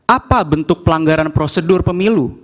apa bentuk pelanggaran prosedur pemilu